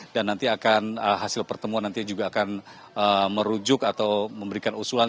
dan nanti akan hasil pertemuan nanti juga akan merujuk atau memberikan usulan